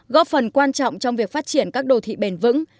góp phần quan trọng trong việc phát triển các đô thị bền vững